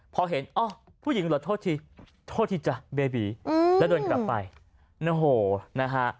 พอเห็นอ้าวผู้หญิงเหรอโทษทีโทษทีจ้ะเบบีแล้วเดินกลับไปโอ้โหนะฮะ